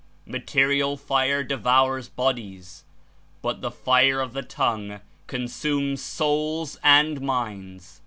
Material fire devours bodies, but the fire of the tongue consumes souls and minds.